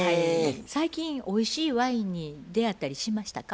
最近おいしいワインに出会ったりしましたか？